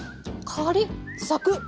カリッサクッ！